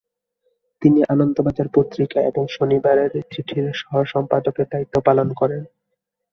তিনি আনন্দবাজার পত্রিকা এবং শনিবারের চিঠির সহ সম্পাদকের দায়িত্ব পালন করেন।